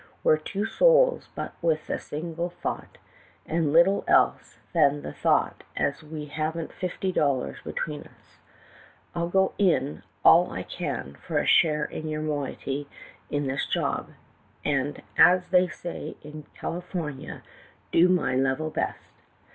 We're "two souls with but a single thought,'' and little else than the thought, as we haven't fifty dollars between us. I 'll go in all I can for a share in your moiety in this job, and, as they say in Cali fornia, do my "level best.